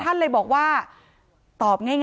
การแก้เคล็ดบางอย่างแค่นั้นเอง